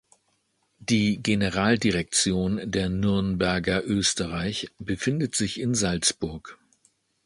Die Generaldirektion der Nürnberger Österreich befindet sich in Salzburg.